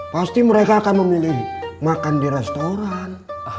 pasti mereka akan memilih makan di restoran